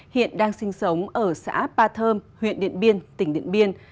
hiện đang sinh sống ở xã ba thơm huyện điện biên tỉnh điện biên